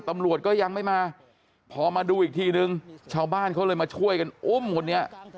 ตำรวจก็ยังไม่มาพอมาดูอีกทีนึงชาวบ้านเขาเลยมาช่วยกันอุ้มคนนี้